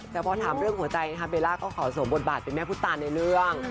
แต่พอถามเรื่องหัวใจนะคะเบลล่าก็ขอสวมบทบาทเป็นแม่พุทธตาในเรื่อง